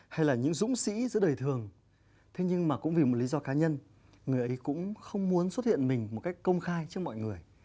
hay là những dũng sĩ giữa đời thường thế nhưng mà cũng vì một lý do cá nhân người ấy cũng không muốn xuất hiện mình một cách công khai trước mọi người